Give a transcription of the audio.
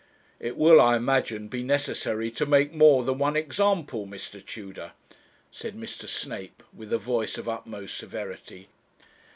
'It will, I imagine, be necessary to make more than one example, Mr. Tudor,' said Mr. Snape, with a voice of utmost severity.